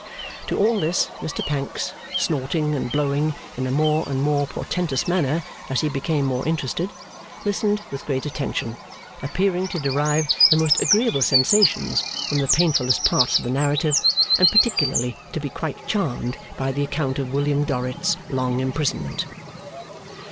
To all this, Mr Pancks, snorting and blowing in a more and more portentous manner as he became more interested, listened with great attention; appearing to derive the most agreeable sensations from the painfullest parts of the narrative, and particularly to be quite charmed by the account of William Dorrit's long imprisonment.